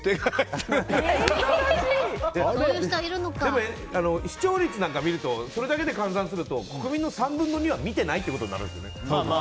でも視聴率なんか見るとそれだけで換算すると国民の３分の２は見てないということになるんですよね。